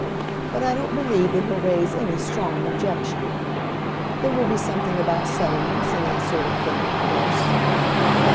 But I don't believe that he'll raise any strong objection. There will be something about settlements, and that sort of thing, of course."